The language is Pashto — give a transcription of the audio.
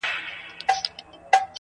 o سیاه پوسي ده، ورته ولاړ یم.